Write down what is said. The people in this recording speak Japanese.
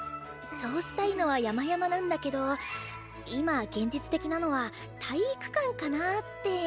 そうしたいのはやまやまなんだけど今現実的なのは体育館かなあって。